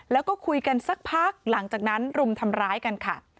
แล้วก็คุยกันสักพักหลังจากนั้นรุมทำร้ายกันค่ะ